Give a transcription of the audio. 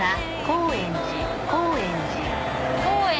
高円寺。